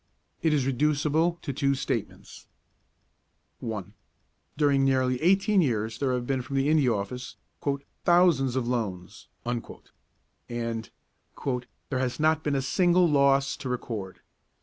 It is reducible to two statements: 1. During nearly eighteen years there have been from the India Office 'thousands of loans' and 'there has not been a single loss to record.